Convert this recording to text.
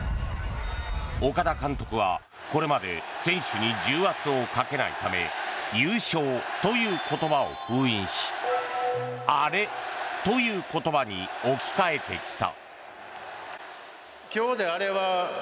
岡田監督はこれまで選手に重圧をかけないため優勝という言葉を封印しアレという言葉に置き換えてきた。